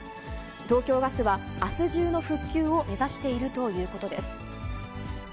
東京ガスはあす中の復旧を目指しているということです。